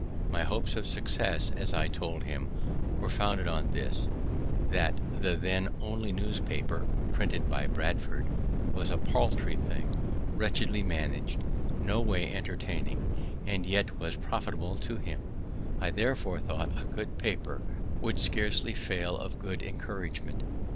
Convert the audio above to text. My hopes of success, as I told him, were founded on this, that the then only newspaper, printed by Bradford, was a paltry thing, wretchedly manag'd, no way entertaining, and yet was profitable to him; I therefore thought a good paper would scarcely fail of good encouragement.